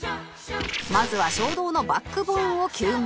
まずは衝動のバックボーンを究明